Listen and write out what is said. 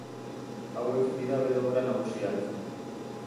Hauek dira bere obra nagusiak.